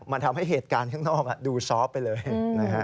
มันทำให้เหตุการณ์ข้างนอกดูซ้อมไปเลย